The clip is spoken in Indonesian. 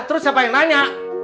terus siapa yang nanya